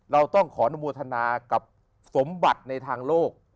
เราต้องขออนุโมทนากับสมบัติในทางโลก